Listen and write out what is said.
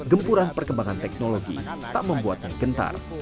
gempuran perkembangan teknologi tak membuatnya gentar